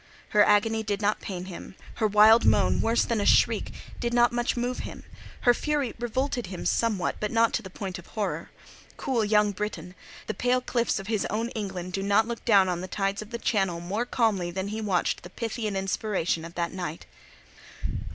Her agony did not pain him, her wild moan—worse than a shriek—did not much move him; her fury revolted him somewhat, but not to the point of horror. Cool young Briton! The pale cliffs of his own England do not look down on the tides of the Channel more calmly than he watched the Pythian inspiration of that night.